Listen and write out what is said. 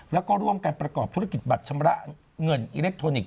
แล้วก็ร่วมกันประกอบธุรกิจบัตรชำระเงินอิเล็กทรอนิกส